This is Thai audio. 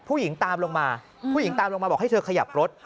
ผู้หญิงตามลงมาบอกให้เธอขยับรถ